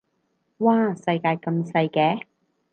嘩世界咁細嘅